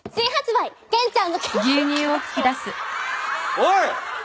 おい。